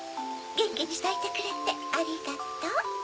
ゲンキにさいてくれてありがとう。